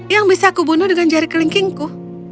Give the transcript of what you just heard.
yang bisa aku bunuh dengan jari kelingkingku